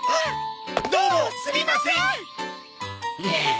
どうもすみません！